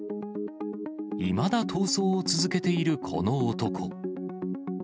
いまだ逃走を続けているこの男。